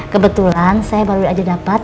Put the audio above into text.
kebetulan saya baru aja dapat